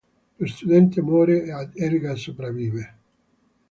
Lo studente muore e Edgar sopravvive.